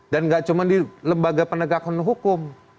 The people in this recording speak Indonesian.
dan gak cuma di lembaga penegakan hukum